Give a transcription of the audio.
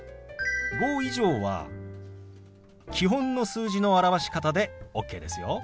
５以上は基本の数字の表し方でＯＫですよ。